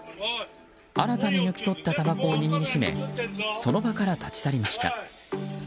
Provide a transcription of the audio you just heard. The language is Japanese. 新たに抜き取ったたばこを握り締めその場から立ち去りました。